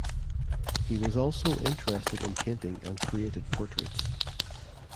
He was also interested in painting and created portraits.